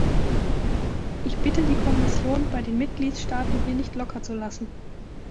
Ich bitte die Kommission, bei den Mitgliedstaaten hier nicht locker zu lassen.